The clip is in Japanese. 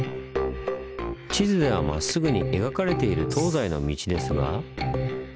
地図ではまっすぐに描かれている東西の道ですが。